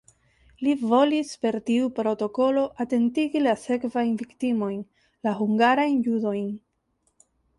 Li volis per tiu protokolo atentigi la sekvajn viktimojn, la hungarajn judojn.